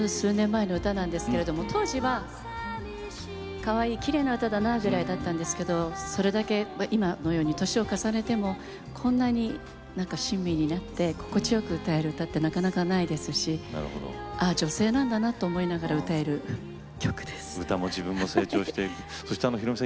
四十数年前の歌なんですが当時はかわいいきれいな歌ぐらいだったんですが年を重ねてもこんなに親身になって心地よく歌えるだとなかなかないですし女性なんだなと思えて歌える曲です。